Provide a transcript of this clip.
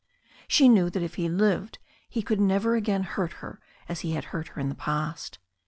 She knew that if he lived he could never again hurt her as he had hurt her in the past.